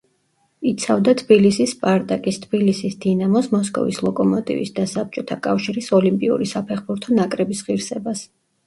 იცავდა თბილისის „სპარტაკის“, თბილისის „დინამოს“, მოსკოვის „ლოკომოტივის“ და საბჭოთა კავშირის ოლიმპიური საფეხბურთო ნაკრების ღირსებას.